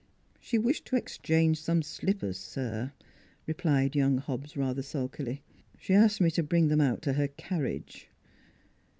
" She wished to exchange some slippers, sir," replied young Hobbs, rather sulkily. " She asked me to bring them out to her carriage."